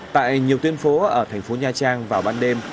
tại nhiều tuyến phố ở thành phố nha trang vào ban đêm